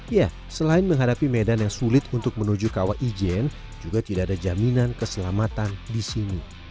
ya selain menghadapi medan yang sulit untuk menuju kawah ijen juga tidak ada jaminan keselamatan di sini